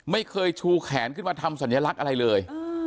ไม่เคยชูแขนขึ้นมาทำสัญลักษณ์อะไรเลย